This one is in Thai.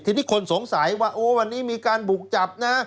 ทีนี้คนสงสัยว่าโอ้วันนี้มีการบุกจับนะ